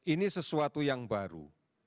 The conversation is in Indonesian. ini sesuatu yang baru